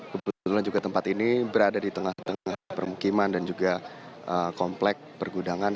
kebetulan juga tempat ini berada di tengah tengah permukiman dan juga komplek pergudangan